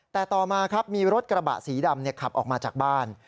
แต่ต่อมาครับมีรถกระบะสีดำขับออกมาจากบ้าน